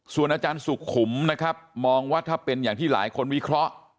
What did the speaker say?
ส่วนอาจารย์สุขุมนะครับมองว่าถ้าเป็นอย่างที่หลายคนวิเคราะห์